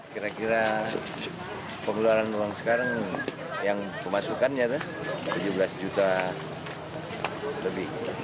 kira kira pengeluaran uang sekarang yang pemasukannya itu tujuh belas juta lebih